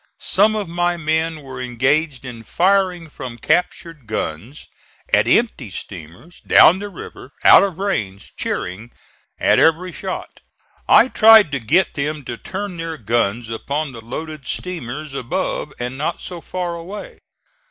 Some of my men were engaged in firing from captured guns at empty steamers down the river, out of range, cheering at every shot. I tried to get them to turn their guns upon the loaded steamers above and not so far away.